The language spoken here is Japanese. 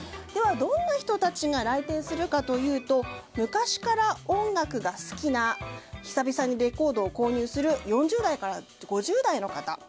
では、どんな人たちが来店するのかというと昔から音楽が好きな久々にレコードを購入する４０代から５０代の方。